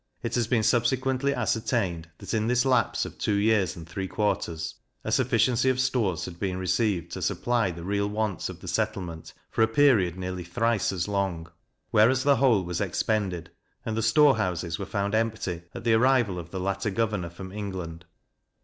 It has been subsequently ascertained, that in this lapse of two years and three quarters, a sufficiency of stores had been received to supply the real wants of the settlement for a period nearly thrice as long; whereas the whole was expended, and the store houses were found empty at the arrival of the latter governor from England.